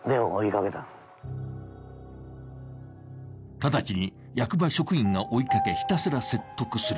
直ちに役場職員が追いかけ、ひたすら説得する。